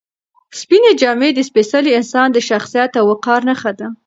سپینې جامې د سپېڅلي انسان د شخصیت او وقار نښه ده.